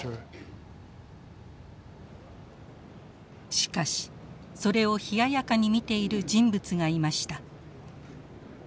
しかしそれを冷ややかに見ている人物がいました。